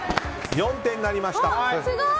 ４点になりました。